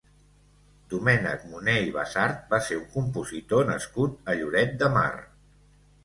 Domènec Moner i Basart va ser un compositor nascut a Lloret de Mar.